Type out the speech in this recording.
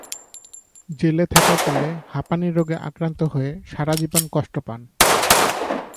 জেলে থাকাকালে হাঁপানি রোগে আক্রান্ত হয়ে সারা জীবন কষ্ট পান।